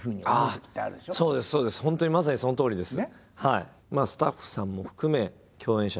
本当にまさにそのとおりです。